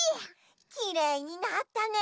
きれいになったね！